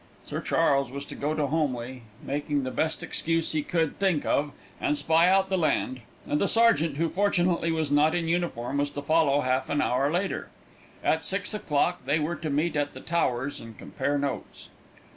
Sir Charles was to go to Holmleigh, making the best excuse he could think of, and spy out the land, and the sergeant, who fortunately was not in uniform, was to follow half an hour later. At six o'clock they were to meet at The Towers and compare notes.